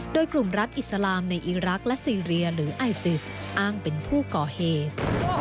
โดยกลุ่มรัฐอิสลามในอีรักษ์และซีเรียหรือไอซิสอ้างเป็นผู้ก่อเหตุ